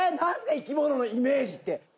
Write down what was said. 生き物のイメージって。